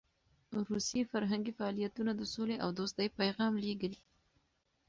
روسي فرهنګي فعالیتونه د سولې او دوستۍ پیغام لېږل.